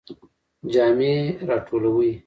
جامی را ټولوئ؟